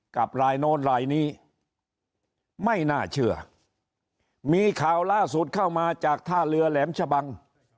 กับรายโน้นลายนี้ไม่น่าเชื่อมีข่าวล่าสุดเข้ามาจากท่าเรือแหลมชะบัง